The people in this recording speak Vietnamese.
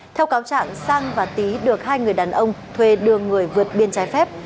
theo cáo trạng sang và tý được hai người đàn ông thuê đưa người vượt biên trái phép